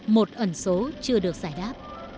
một ẩn số chưa được giải đáp